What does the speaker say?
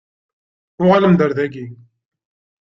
Uɣalem-d ar daki.